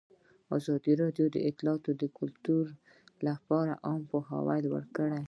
ازادي راډیو د اطلاعاتی تکنالوژي لپاره عامه پوهاوي لوړ کړی.